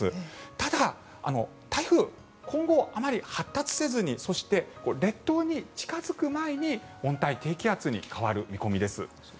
ただ、台風は今後あまり発達せずにそして、列島に近付く前に温帯低気圧に変わる見込みです。